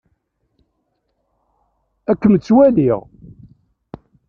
Ad kem-tt-walliɣ.